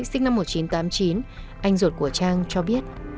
sinh năm một nghìn chín trăm tám mươi chín anh ruột của trang cho biết